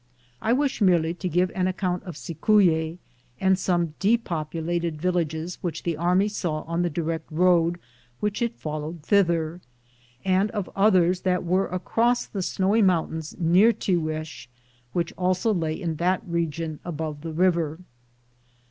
I wish merely to give an account of Cicuye and some depopulated villages which the army saw on the direct road which it followed thither, and of others that were across the snowy mountains near Tiguex, which also lay in that region above the river.